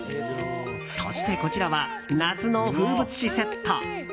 そして、こちらは夏の風物詩セット。